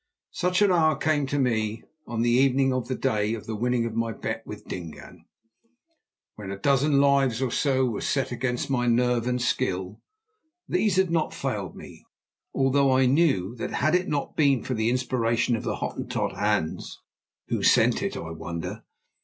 Such an hour came to me on the evening of that day of the winning of my bet with Dingaan, when a dozen lives or so were set against my nerve and skill. These had not failed me, although I knew that had it not been for the inspiration of the Hottentot Hans (who sent it, I wonder?)